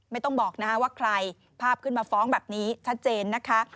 ไม่ต้องบอกว่าใครภาพขึ้นมาฟ้องแบบนี้ชัดเจนนะคะ